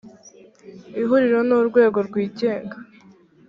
ihuriro ni urwego rwigenga